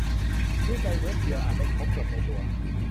นี่ไปเว็บเดียว อ่านได้ครบ จบในตัว